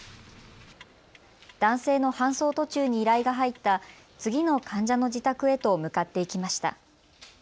男性の搬送途中に依頼が入った次の患者の自宅へと向かっていきました。